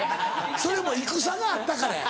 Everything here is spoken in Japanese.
それも戦があったからや！